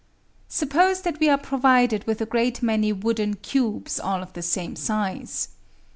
Suppose that we are provided with a great many wooden cubes all of the same size.